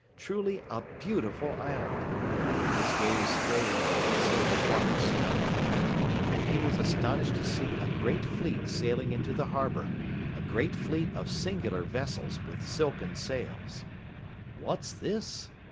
Truly a beautiful island! His gaze strayed over the silver waters surrounding the island, and he was astonished to see a great fleet sailing into the harbor a great fleet of singular vessels with silken sails. "What's this?"